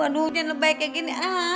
aduh jangan baik kayak gini